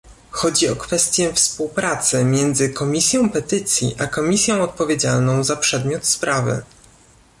Chodzi o kwestię współpracy między Komisją Petycji a komisją odpowiedzialną za przedmiot sprawy